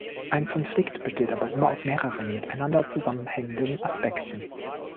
Ein Konflikt besteht aber immer aus mehreren miteinander zusammenhängenden Aspekten.